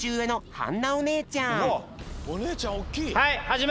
わっおねえちゃんおおきい！